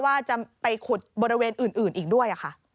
ว่าจะไปขุดบริเวณอื่นอีกด้วยค่ะ